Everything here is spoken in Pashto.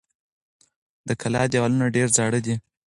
د کلا دېوالونه ډېر زاړه دي.